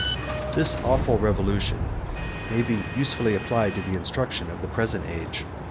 ] This awful revolution may be usefully applied to the instruction of the present age.